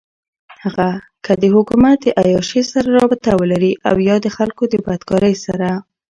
هغــه كه دحــكومت دعيــاشۍ سره رابطه ولري اويا دخلـــكو دبدكارۍ سره.